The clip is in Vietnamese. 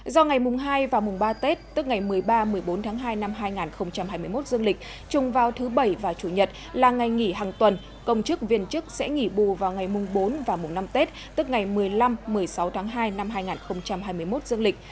do ngày mùng hai và mùng ba tết tức ngày một mươi ba một mươi bốn tháng hai năm hai nghìn hai mươi một dương lịch chung vào thứ bảy và chủ nhật là ngày nghỉ hàng tuần công chức viên chức sẽ nghỉ bù vào ngày mùng bốn và mùng năm tết tức ngày một mươi năm một mươi sáu tháng hai năm hai nghìn hai mươi một dương lịch